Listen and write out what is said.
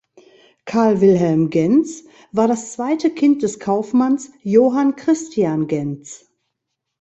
Karl Wilhelm Gentz war das zweite Kind des Kaufmanns Johann Christian Gentz.